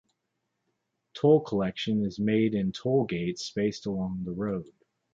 Toll collection is made in toll gates spaced along the road.